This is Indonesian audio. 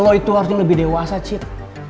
lo itu harusnya lebih dewasa cita